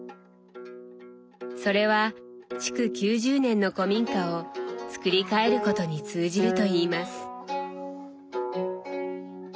それは築９０年の古民家を作り替えることに通じるといいます。